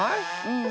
うん。